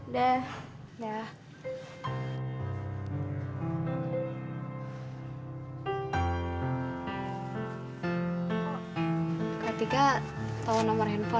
bapaknya gak jadi gymnasium eh